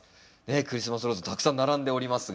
クリスマスローズたくさん並んでおりますが。